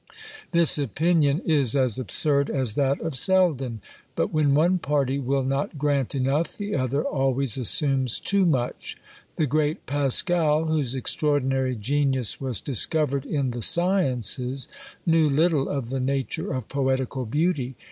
This opinion is as absurd as that of Selden: but when one party will not grant enough, the other always assumes too much. The great Pascal, whose extraordinary genius was discovered in the sciences, knew little of the nature of poetical beauty.